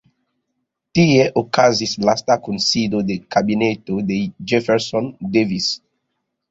Tie okazis lasta kunsido de kabineto de Jefferson Davis.